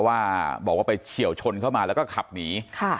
การเสี่ยวชนเข้ามาแล้วขับหนี